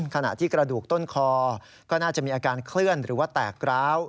ขณะที่กระดูกต้นคอก็น่าจะมีอาการเคลื่อนหรือว่าแตกร้าว